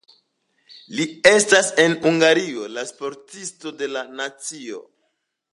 Li estas en Hungario la Sportisto de la nacio.